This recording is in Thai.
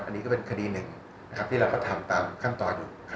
อันนี้ก็เป็นคดีหนึ่งที่เราก็ทำตามขั้นตอนอยู่